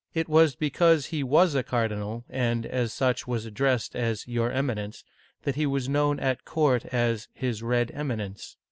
It was because he was a cardinal, and as such was addressed as Your Eminence," that he was known at court as His Red Eminence."